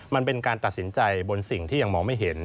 มันเป็นการตัดสินใจบนสิ่งที่ยังมองไม่เห็น